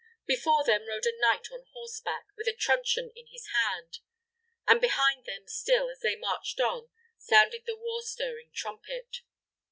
Before them rode a knight on horseback, with a truncheon in his hand, and behind them still, as they marched on, sounded the war stirring trumpet.